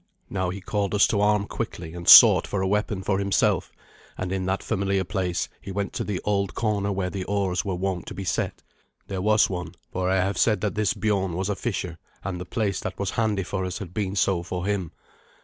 Now he called to us to arm quickly, and sought for a weapon for himself; and in that familiar place he went to the old corner where the oars were wont to be set. There was one, for I have said that this Biorn was a fisher, and the place that was handy for us had been so for him.